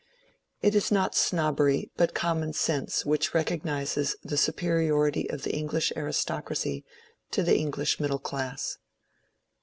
It is not snobbery but common sense which recognizes the superiority of the English aristocracy to the English middle class.